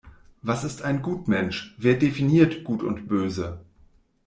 Was ist ein Gutmensch? Wer definiert Gut und Böse?